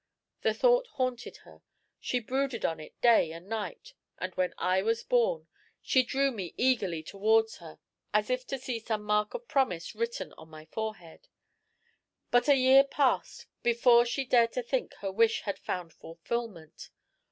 The thought haunted her, she brooded on it day and night; and when I was born, she drew me eagerly towards her, as if to see some mark of promise written on my forehead. But a year passed before she dared to think her wish had found fulfilment.